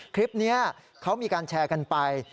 คลิปนี้เขามีการแชร์กันไป